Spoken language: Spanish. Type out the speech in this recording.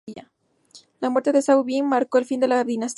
La muerte de Zhao Bing marcó el fin de la dinastía Song.